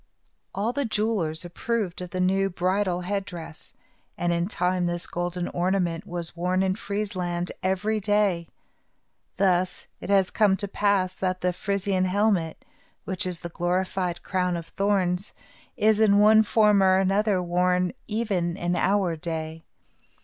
All the jewelers approved of the new bridal head dress, and in time this golden ornament was worn in Friesland every day. Thus it has come to pass that the Frisian helmet, which is the glorified crown of thorns, is, in one form or another, worn even in our day.